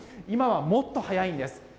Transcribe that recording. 今はもっと早いんです。